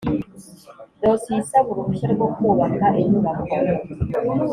dosiye isaba uruhushya rwo kubaka inyubako